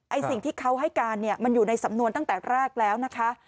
สิ่งที่เขาให้การเนี่ยมันอยู่ในสำนวนตั้งแต่แรกแล้วนะคะ